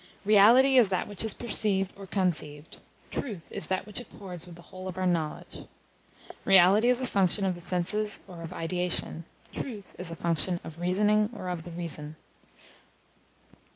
Reality is that which is perceived or conceived; truth is that which accords with the whole of our knowledge. Reality is a function of the senses or of ideation; truth is a function of reasoning or of the reason.